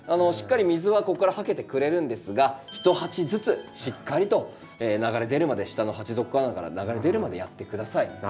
しっかり水はここからはけてくれるんですが一鉢ずつしっかりと流れ出るまで下の鉢底から流れ出るまでやって下さい。